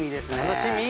楽しみ！